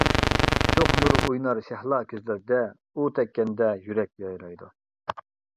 شوخ نۇر ئوينار شەھلا كۆزلەردە، ئۇ تەگكەندە يۈرەك يايرايدۇ.